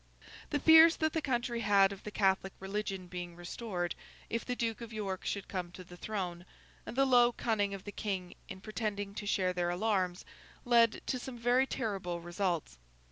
The fears that the country had of the Catholic religion being restored, if the Duke of York should come to the throne, and the low cunning of the King in pretending to share their alarms, led to some very terrible results.